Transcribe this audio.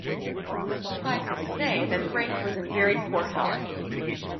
But suffice it to say that Frank was in very poor health.